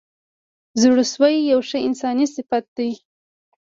زړه سوی یو ښه انساني صفت دی.